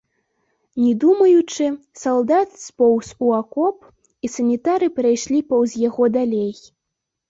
Не думаючы, салдат споўз у акоп, і санітары прайшлі паўз яго далей.